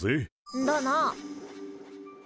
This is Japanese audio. んだな。